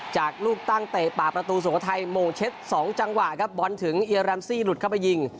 จากลูกตั้งเตะปากประตูสุโขทัยโมเช็ดสองจังหวะครับบอลถึงลุดเข้าไปยิง